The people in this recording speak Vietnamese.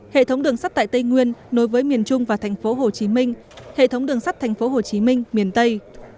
hệ thống đường sắt tại tây nguyên nối với miền trung và thành phố hồ chí minh hệ thống đường sắt thành phố hồ chí minh miền tây